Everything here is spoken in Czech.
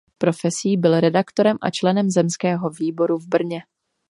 Profesí byl redaktorem a členem zemského výboru v Brně.